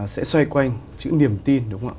sẽ xoay quanh những niềm tin